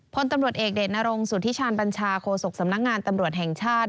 พลตำรวจเอกเดชนรงสุธิชาญบัญชาโคศกสำนักงานตำรวจแห่งชาติ